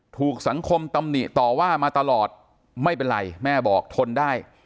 ถูกสังคมตำหนิต่อว่ามาตลอดไม่เป็นไรแม่บอกทนได้